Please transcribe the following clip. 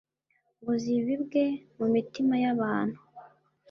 ngo zibibwe mu mitima y’abantu